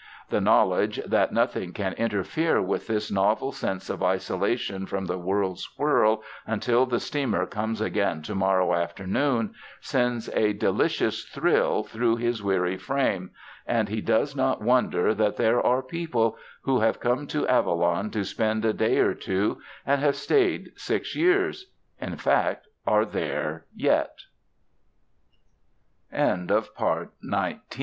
The knowl edge that nothing can interfere with this novel sense of isolation from the world's whirl until the steamer comes again tomorrow afternoon, sends a delicious thrill through his weary frame and he does not wonder that there are people who have come to Avalon to spend a day or two an